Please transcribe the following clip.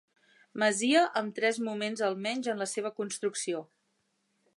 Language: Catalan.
Masia amb tres moments almenys en la seva construcció.